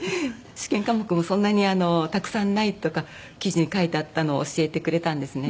試験科目もそんなにたくさんないとか記事に書いてあったのを教えてくれたんですね。